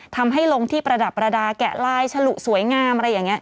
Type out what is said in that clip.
ทำให้ลงที่ประดับประดาแกะลายฉลุสวยงามอะไรอย่างนี้